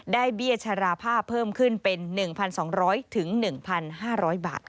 เบี้ยชราภาพเพิ่มขึ้นเป็น๑๒๐๐๑๕๐๐บาท